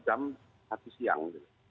jam satu siang